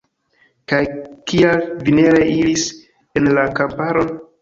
Kaj kial vi ne reiris en la kamparon?